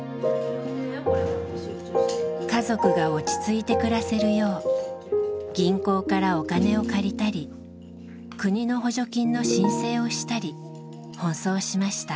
家族が落ち着いて暮らせるよう銀行からお金を借りたり国の補助金の申請をしたり奔走しました。